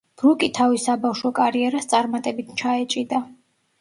ბრუკი თავის საბავშვო კარიერას წარმატებით ჩაეჭიდა.